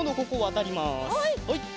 はい。